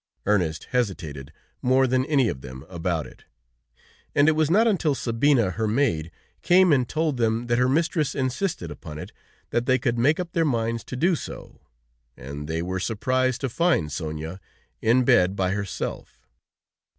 Ernest hesitated more than any of them about it, and it was not until Sabina, her maid, came and told them that her mistress insisted upon it, that they could make up their minds to do so, and they were surprised to find Sonia in bed by herself.